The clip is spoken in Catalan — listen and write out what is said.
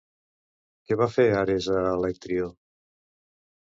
Què va fer Ares a Alectrió?